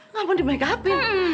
nggak mau di makeup in